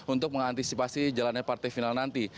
untuk mengantisipasi jalannya partai final nanti